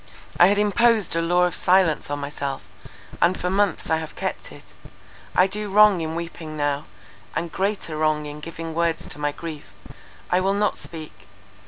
I had imposed a law of silence on myself; and for months I have kept it. I do wrong in weeping now, and greater wrong in giving words to my grief. I will not speak!